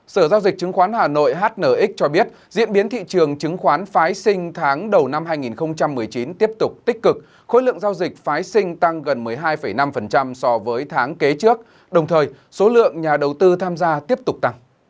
sở giao dịch chứng khoán hà nội hnx cho biết diễn biến thị trường chứng khoán phái sinh tháng đầu năm hai nghìn một mươi chín tiếp tục tích cực khối lượng giao dịch phái sinh tăng gần một mươi hai năm so với tháng kế trước đồng thời số lượng nhà đầu tư tham gia tiếp tục tăng